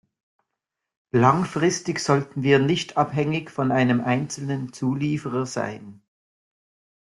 Langfristig sollten wir nicht abhängig von einem einzelnen Zulieferer sein.